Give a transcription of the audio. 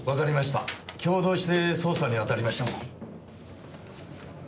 共同して捜査に当たりましょう。